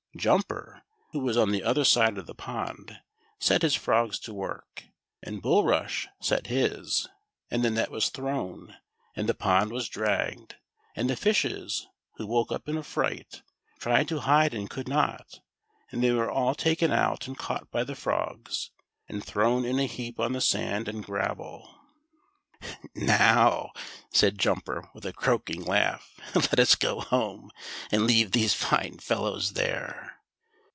" Jumper, who was on the other side of the pond, set his frogs to work, and Bulrush set his ; and the net was thrown, and the pond was dragged, and the fishes, who woke up in a fright, tried to hide and could not ; and they were all taken out and caught by the frogs, and thrown in a heap on the sand and gravel. "Now," said Jumper, with a croaking laugh, "let us go home and leave these fine fellows there."